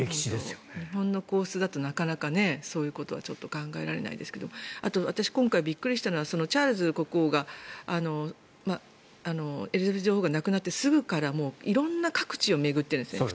日本の皇室だとなかなかそういうことはちょっと考えられないですけど私、今回びっくりしたのはチャールズ国王がエリザベス女王が亡くなってすぐから色んな各地を巡ってるんですよね。